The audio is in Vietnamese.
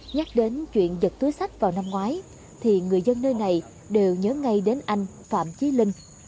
nhắc đến chuyện giật túi sách vào năm ngoái thì người dân nơi này đều nhớ ngay đến anh phạm chí linh